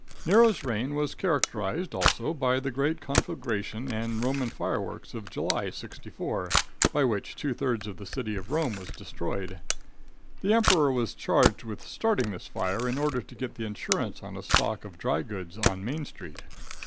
Nero's reign was characterized, also, by the great conflagration and Roman fireworks of July, 64, by which two thirds of the city of Rome was destroyed. The emperor was charged with starting this fire in order to get the insurance on a stock of dry goods on Main street.